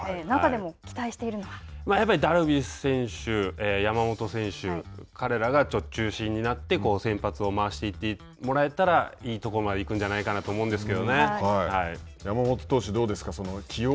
やっぱりダルビッシュ選手、山本選手彼らが中心になって先発を回していってもらえたらいいところまで行くんじゃないか山本投手、どうですか